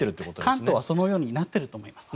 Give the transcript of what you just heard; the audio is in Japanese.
関東はそのようになっていると思います。